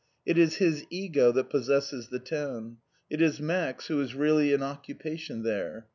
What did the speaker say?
It is his ego that possesses the town. It is Max who is really in occupation there.